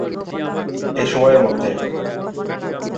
এই সময়ের মধ্যে।